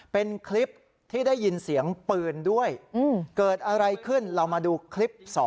เป็นคลิปที่ได้ยินเสียงปืนด้วยเกิดอะไรขึ้นเรามาดูคลิป๒